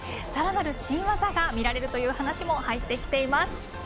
さらなる新技が見られるという話も入ってきています。